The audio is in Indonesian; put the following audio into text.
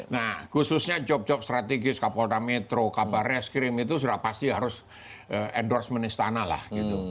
nah khususnya job job strategis kapolda metro kabar reskrim itu sudah pasti harus endorsement istana lah gitu